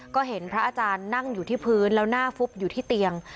ก็เห็นพระอาจารย์นั่งอยู่ที่พื้นแล้วหน้าฟุบอยู่ที่เตียง